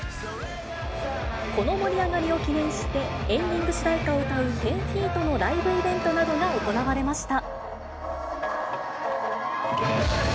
この盛り上がりを記念して、エンディング主題歌を歌う１０ーＦＥＥＴのライブイベントなどが行われました。